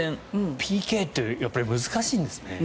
ＰＫってやっぱり難しいんですね。